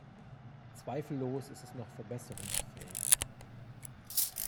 Zweifellos ist es noch verbesserungsfähig.